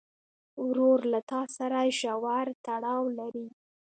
ورور له تا سره ژور تړاو لري.